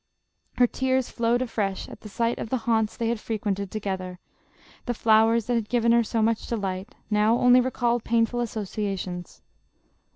Her tears flowed afresh at the sight of the haunts they had frequented together ; the flowers, that had given her so much delight, now only recalled painful associations.